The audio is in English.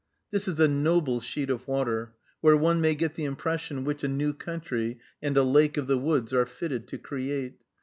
This is a noble sheet of water, where one may get the impression which a new country and a "lake of the woods" are fitted to create.